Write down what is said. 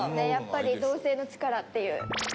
やっぱり同性の力っていう。